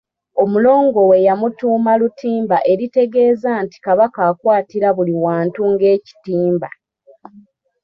Omulongo we yamutuuma Lutimba eritegeeza nti Kabaka akwatira buli wantu ng'ekitimba.